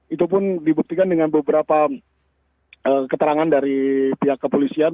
itu pun dibuktikan dengan beberapa keterangan dari pihak kepolisian